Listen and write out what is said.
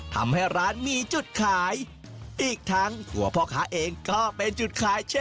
ทำให้ร้านมีจุดขายอีกทั้งตัวพ่อค้าเองก็เป็นจุดขายเช่น